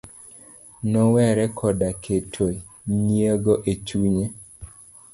Nowere koda keto nyiego e chunye